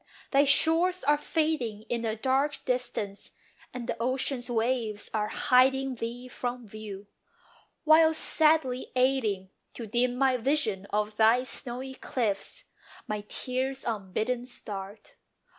Thy shores are fading In the dark distance, and the ocean's waves Are hiding thee from view; while, sadly aiding To dim my vision of thy snowy cliffs, My tears unbidden start.